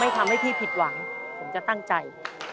ทำให้พี่ผิดหวังผมจะตั้งใจ